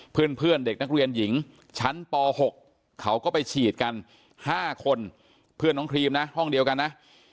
เพื่อนเด็กนักเรียนหญิงชั้นป๖เขาก็ไปฉีดกัน๕คนเพื่อนน้องครีมนะห้องเดียวกันนะ